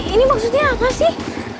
ini maksudnya apa sih